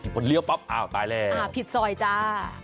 พอเลี้ยวปั๊บอ้าวตายแล้วอ่าผิดซอยจ้า